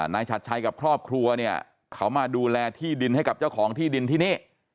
นายชัดชัยกับครอบครัวเนี่ยเขามาดูแลที่ดินให้กับเจ้าของที่ดินที่นี่